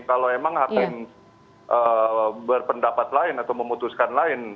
kalau memang hakim berpendapat lain atau memutuskan lain